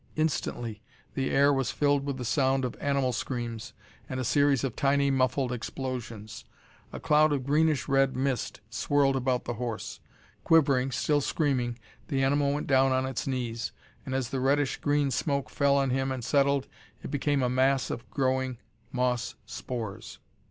Instantly the air was filled with the sound of animal screams, and a series of tiny, muffled explosions. A cloud of greenish red mist swirled about the horse. Quivering, still screaming, the animal went down on its knees, and as the reddish green smoke fell on him and settled, it became a mass of growing moss spores.